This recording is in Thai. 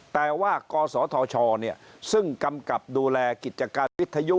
แต่ว่ากศธชซึ่งกำกับดูแลกิจการวิทยุ